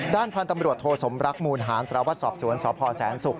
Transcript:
ด้านพันธ์ตำรวจโทสมรักมูลหารสารวัตรสอบสวนสพแสนศุกร์